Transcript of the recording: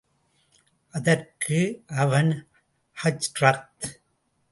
அதற்கு அவன் ஹஜ்ரத்!